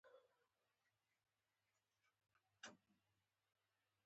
فقره تشریحي جملې لري.